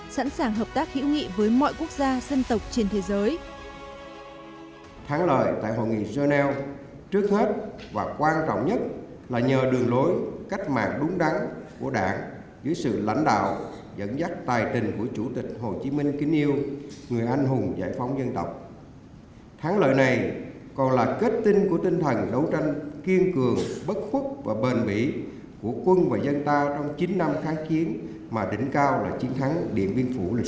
sẵn sàng hợp tác hữu nghị với mọi quốc gia dân tộc trên thế giới